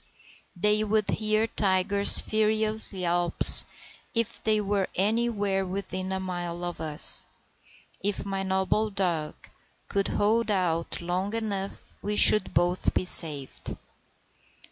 They would hear Tiger's furious yelps if they were anywhere within a mile of us. If my noble dog could hold out long enough we should both be saved.